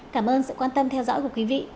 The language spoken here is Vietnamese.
cảm ơn sự quan tâm theo dõi của quý vị